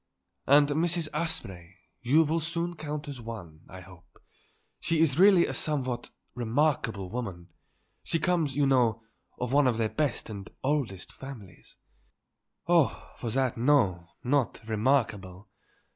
"And Mrs. Asprey you will soon count as one, I hope. She is really a somewhat remarkable woman. She comes, you know, of one of their best and oldest families." "Oh, for that, no; not remarkable.